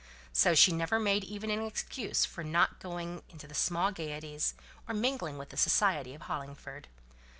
So she never even made an excuse for not going into the small gaieties, or mingling with the society of Hollingford.